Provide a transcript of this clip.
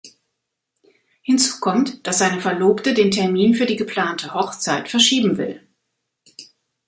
Hinzu kommt, dass seine Verlobte den Termin für die geplante Hochzeit verschieben will.